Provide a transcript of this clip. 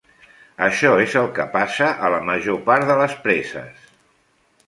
Això és el que passa a la major part de les preses.